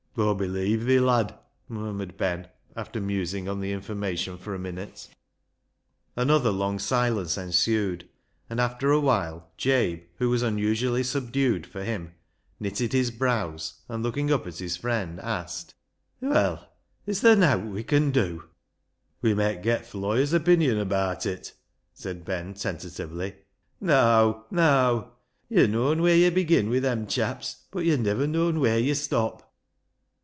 " Aw believe thi, lad," murmured Ben, after musing on the information for a minute. Another long silence ensued, and after a while Jabe, who was unusually subdued for him, knitted his brows, and looking up at his friend, asked —" Well, is ther' noiijt we con dew? "" We met get th' lav/yer's opinion abaat it," said Ben tentatively. " Neaw ! neaw ! yo' known wheer yo' begin M'i' them chaps, but yo' niver known wheer yo' stop."